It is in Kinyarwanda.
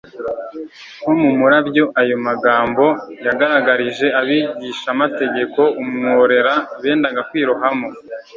Nko mu murabyo ayo magambo yagaragarije abigishamategeko umworera bendaga kwirohamo.